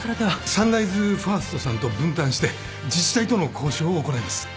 サンライズファーストさんと分担して自治体との交渉を行います。